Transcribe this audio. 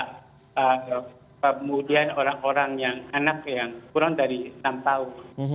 kemudian anak yang kurang dari enam tahun